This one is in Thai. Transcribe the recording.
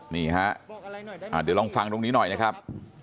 นี่ฮะเดี๋ยวลองฟังตรงนี้หน่อยนะครับ